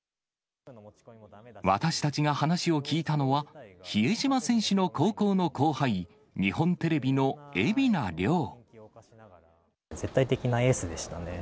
私たちが話を聞いたのは、比江島選手の高校の後輩、絶対的なエースでしたね。